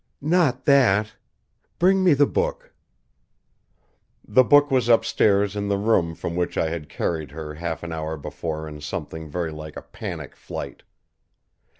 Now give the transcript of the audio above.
"Not that! Bring me the book." The book was upstairs in the room from which I had carried her half an hour before in something very like a panic flight.